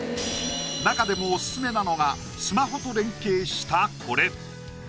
中でもオススメなのがスマホと連携したこれ！